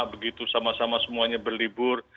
begitu sama sama semuanya berlibur